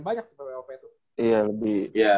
banyak ke ppop itu iya lebih